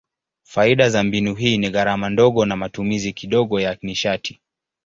Faida za mbinu hii ni gharama ndogo na matumizi kidogo ya nishati.